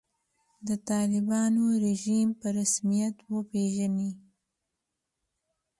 د طالبانو رژیم په رسمیت وپېژني.